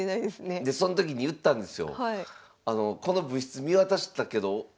でその時に言ったんですよ。